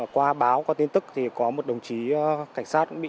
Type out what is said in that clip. qua báo qua tin tức thì có một đồng chí cảnh sát